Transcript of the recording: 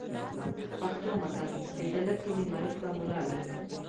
پښتو متل: "د دله کلي ملک به مُلا وي"